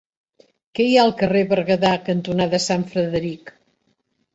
Què hi ha al carrer Berguedà cantonada Sant Frederic?